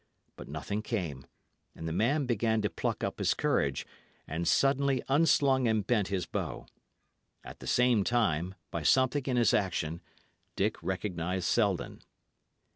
But nothing came; and the man began to pluck up his courage, and suddenly unslung and bent his bow. At the same time, by something in his action, Dick recognised Selden.